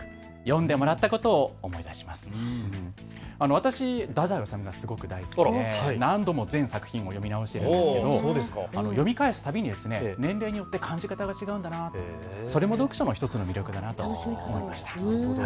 私、太宰治がすごい大好きで何度も全作品を読み直しているんですけど、読み返すたびに年齢によって感じ方が違うんだな、それも読書の１つの魅力だなと思いました。